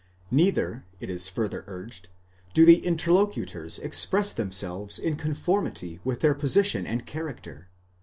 Neither, it is further urged, do the interlocutors express themselves in conformity with their position. and character.